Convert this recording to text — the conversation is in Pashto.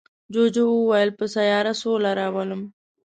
جوجو وویل په سیاره سوله راولم.